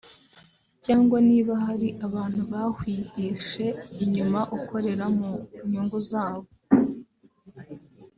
cyangwa niba hari abantu bawihishe inyuma ukorera mu nyungu zabo